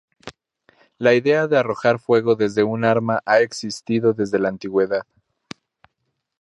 La idea de arrojar fuego desde un arma ha existido desde la antigüedad.